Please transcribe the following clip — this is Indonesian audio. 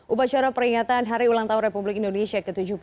upacara peringatan hari ulang tahun republik indonesia ke tujuh puluh tiga